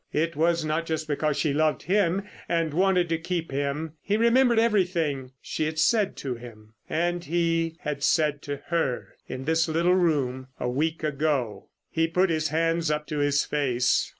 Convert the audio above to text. It was not just because she loved him and wanted to keep him. He remembered everything she had said to him and he had said to her in this little room a week ago. He put his hands up to his face.